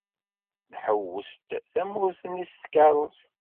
Nḥewwes-d tamurt-nni s tkeṛṛust.